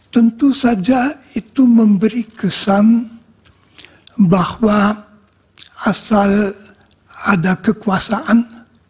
tentu saja itu memberi kesan bahwa asal ada kekuasaan